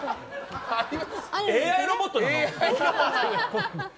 ＡＩロボットなの？